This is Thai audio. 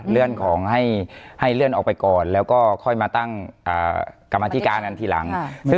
เรื่องของให้เลื่อนออกไปก่อนแล้วก็ค่อยมาตั้งกรรมธิการอันทีหลัง